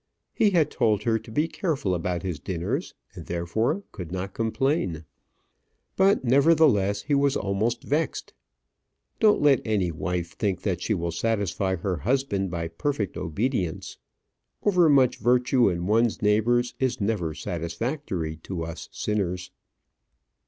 He had told her to be careful about his dinners, and therefore could not complain. But, nevertheless, he was almost vexed. Don't let any wife think that she will satisfy her husband by perfect obedience. Overmuch virtue in one's neighbours is never satisfactory to us sinners.